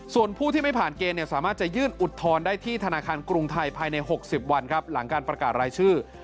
ส่วนผู้ที่ไม่ผ่านเกณฑ์สามารถจะยื่นอุทธรณ์ได้ที่ธนาคารกรุงไทยภายใน๖๐วันครับหลังการประกาศรายชื่อ